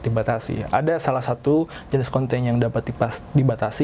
dibatasi ada salah satu jenis konten yang dapat dibatasi